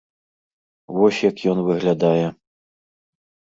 Вось як ён выглядае.